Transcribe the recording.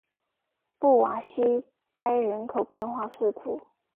布瓦西埃人口变化图示